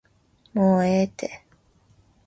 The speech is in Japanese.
もうええて